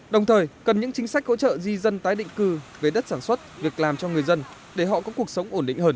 đồng thời cần những chính sách hỗ trợ di dân tái định cư với đất sản xuất việc làm cho người dân để họ có cuộc sống ổn định hơn